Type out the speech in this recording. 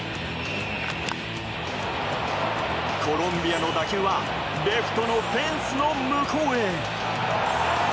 コロンビアの打球はレフトのフェンスの向こうへ。